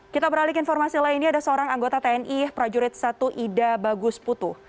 kita beralih ke informasi lainnya ada seorang anggota tni prajurit satu ida bagus putu